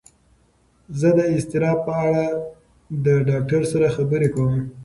زه د اضطراب په اړه د ډاکتر سره خبرې کوم.